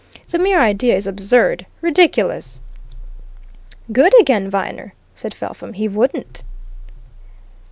The mere idea is absurd ridiculous!" "Good again, Viner!" said Felpham. "He wouldn't!"